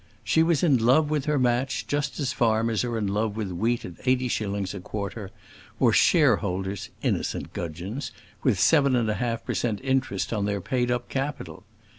She was in love with her match just as farmers are in love with wheat at eighty shillings a quarter; or shareholders innocent gudgeons with seven and half per cent. interest on their paid up capital.